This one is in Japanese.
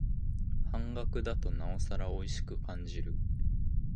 半額だとなおさらおいしく感じる